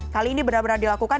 kali ini benar benar dilakukan